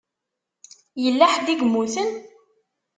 Yella ḥedd i yemmuten?